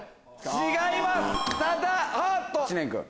違います！